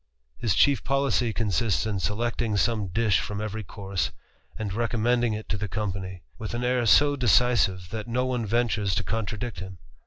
His chief policy consists in selecting some dish from ^ery course, and recommending it to the company, with I air so decisive, that no one ventures to contradict him.